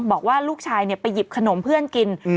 บอกว่าลูกชายเนี้ยไปหยิบขนมเพื่อนกินอืม